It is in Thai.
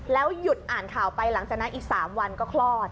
หยุดอ่านข่าวไปหลังจากนั้นอีก๓วันก็คลอด